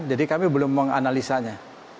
jadi kami belum menganalisanya